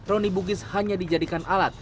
roni bugis hanya dijadikan alat